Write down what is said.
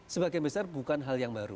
sebagian besar bukan hal yang baru